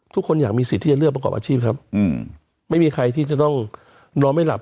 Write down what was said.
ทุกคนอยากมีสิทธิ์ที่จะเลือกประกอบอาชีพครับไม่มีใครที่จะต้องนอนไม่หลับ